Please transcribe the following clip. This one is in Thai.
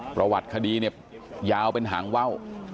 ประวัติคดีเนี่ยยาวเป็นหางว่าว